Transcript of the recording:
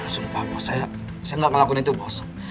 sumpah bos saya gak akan lakukan itu bos